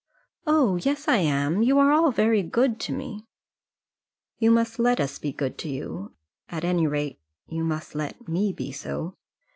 "Oh! yes, I am; you are all very good to me." "You must let us be good to you. At any rate, you must let me be so.